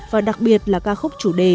và đặc biệt là ca khúc chủ đề